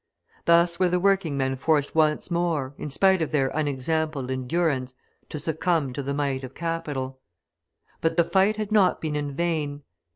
Thus were the working men forced once more, in spite of their unexampled endurance, to succumb to the might of capital. But the fight had not been in vain.